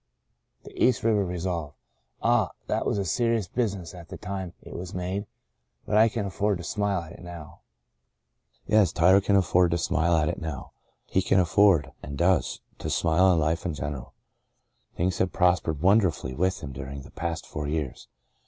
The East River re solve ? Ah ! that was a serious business at the time it was made, but I can afford to smile at it now I " Yes, Tyler can afford to smile at it now — he can afford, and does, to smile on life in general. Things have prospered wonderfully with him during the past four years.